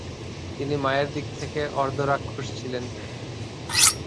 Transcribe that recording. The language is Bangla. তিনি মায়ের দিক থেকে অর্ধ-রাক্ষস ছিলেন।